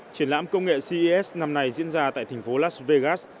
triển lãm công nghệ ces năm nay diễn ra tại thành phố las vegas